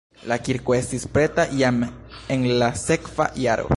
La kirko estis preta jam en la sekva jaro.